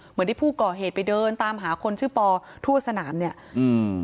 เหมือนที่ผู้ก่อเหตุไปเดินตามหาคนชื่อปอทั่วสนามเนี้ยอืม